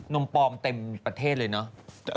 มปลอมเต็มประเทศเลยเนอะ